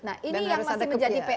nah ini yang masih menjadi pr